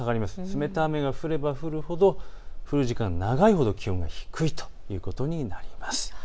冷たい雨が降れば降るほど降る時間が長いほど気温が低いということになります。